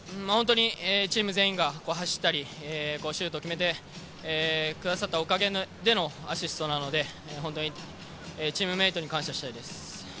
チーム全員が走ったり、シュートを決めてくださったおかげでのアシストなので、本当にチームメートに感謝したいです。